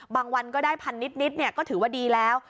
วันก็ได้พันนิดก็ถือว่าดีแล้ว